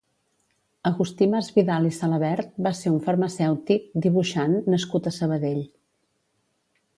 Agustí Masvidal i Salavert va ser un farmacèutic, dibuixant nascut a Sabadell.